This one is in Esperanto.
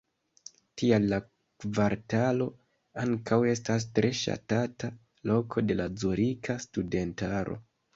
Tial la kvartalo ankaŭ estas tre ŝatata loko de la zurika studentaro.